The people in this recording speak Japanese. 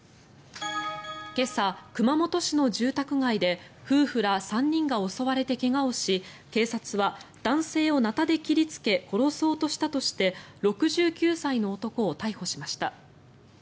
今朝、熊本市の住宅街で夫婦ら３人が襲われて怪我をし警察は男性をナタで切りつけ殺そうとしたとして６９歳の男を逮捕しました。